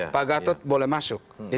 pak gatot boleh masuk